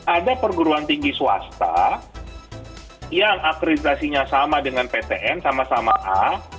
ada perguruan tinggi swasta yang akreditasinya sama dengan ptn sama sama a